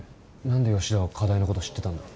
何で吉田は課題のこと知ってたんだ？